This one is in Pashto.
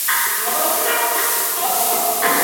څه شي د انسان په ژوند کي د دایمي خوښۍ سبب ګرځي؟